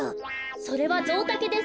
それはゾウタケです。